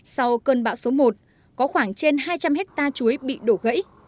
sau cơn bão số một có khoảng trên hai trăm linh hectare chuối bị đổ gãy